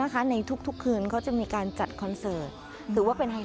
การตัวเหรอบกัดการวะบมเป็นข้อลง